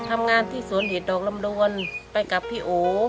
ทำงานที่สวนเหลียดดอกลำดวนไปกับพี่โอ